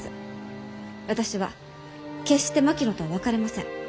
私は決して槙野とは別れません。